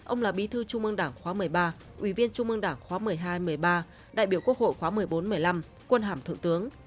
ông là bí thư trung ương đảng khóa một mươi ba ủy viên trung ương đảng khóa một mươi hai một mươi ba đại biểu quốc hội khóa một mươi bốn một mươi năm quân hàm thượng tướng